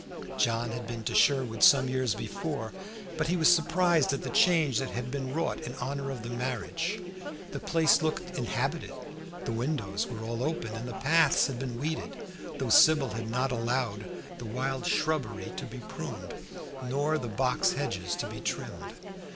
John had been to Sherwood some years before, but he was surprised at the change that had been wrought in honor of the marriage. The place looked inhabited, the windows were all open, and the paths had been weeded, though Sybil had not allowed the wild shrubbery to be pruned nor the box hedges to be trimmed.